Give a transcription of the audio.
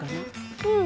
うん。